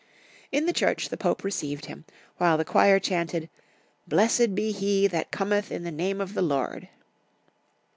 In the church the pope received him, while the choir chanted " Blessed be he that cometh in the Name of the Lord."